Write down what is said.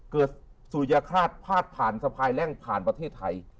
สุยฆาตพาดผ่านสะพายแรงผ่านประเทศไทย